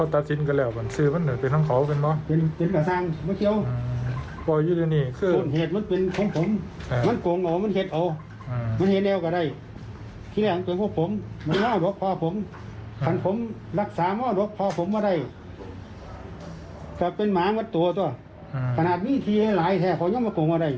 ตัดสินใจลงมือก่อเหตุ